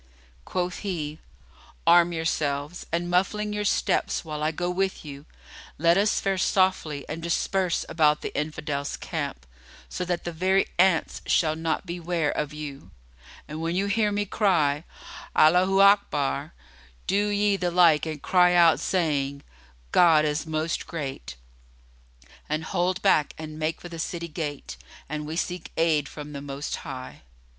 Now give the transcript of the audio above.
Quoth he, "Arm yourselves and, muffling your steps while I go with you, let us fare softly and disperse about the Infidels' camp, so that the very ants shall not be ware of you; and, when you hear me cry 'Allaho Akbar,' do ye the like and cry out, saying, 'God is Most Great!' and hold back and make for the city gate; and we seek aid from the Most High."